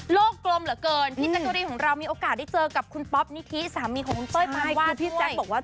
โลกกรมเหลือเกินมีโอกาสได้เจอกับคุณนิทีเสามีชายว่า